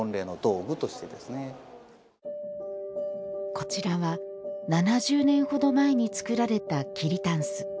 こちらは、７０年程前に作られた桐たんす。